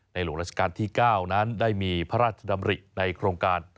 หลวงราชการที่๙นั้นได้มีพระราชดำริในโครงการ